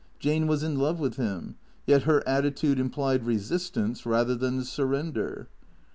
Jane was in love with him; yet her attitude implied resistance rather than surrender.